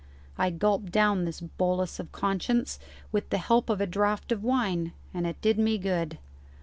I gulped down this bolus of conscience with the help of a draught of wine, and it did me good.